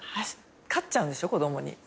勝っちゃうんでしょ子供に。